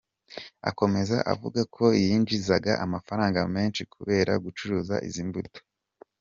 Akomeza avuga ko yinjizaga amafaranga menshi kubera gucuruza izi mbuto.